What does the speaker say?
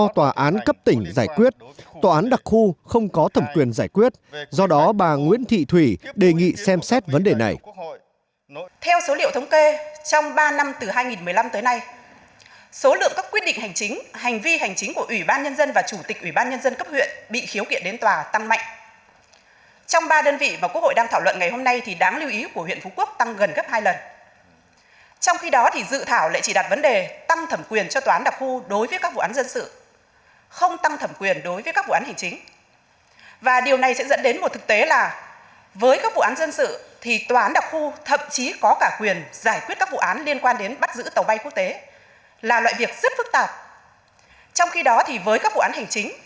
tòa án đặc khu lại không có cả quyền giải quyết các hiếu kiện đối với ủy ban nhân dân và chủ tịch ủy ban nhân dân đồng cấp hành chính với mình